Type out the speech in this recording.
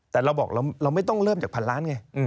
แต่เราบอกเราไม่ต้องเริ่มจากพันล้านไง